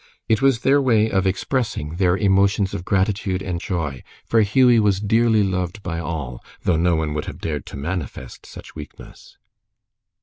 It was their way of expressing their emotions of gratitude and joy, for Hughie was dearly loved by all, though no one would have dared to manifest such weakness.